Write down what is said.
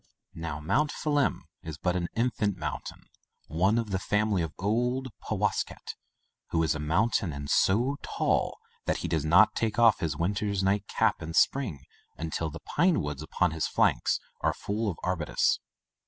Now Mount Phelim is but an infant moun tain, one of the family of old Powasket (who is a mountain, and so tall that he does not take off his winter nightcap in spring until the pine woods upon his flanks are full of arbutus).